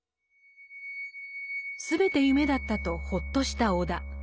全て夢だったとほっとした尾田。